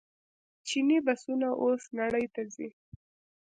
چیني بسونه اوس نړۍ ته ځي.